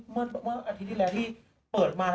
เมื่ออาทิตย์แรกที่เปิดมา